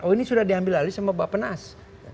oh ini sudah diambil alih sama mbak penas